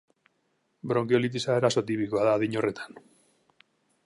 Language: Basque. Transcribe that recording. Bronkiolitisa arazo tipikoa da adin horretan.